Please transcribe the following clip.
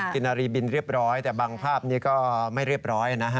กินนารีบินเรียบร้อยแต่บางภาพนี้ก็ไม่เรียบร้อยนะฮะ